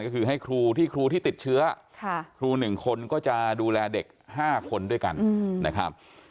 ก็คือให้ครูที่ครูที่ติดเชื้อครู๑คนก็จะดูแลเด็ก๕คนด้วยกันนะครับ